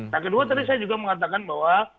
nah kedua tadi saya juga mengatakan bahwa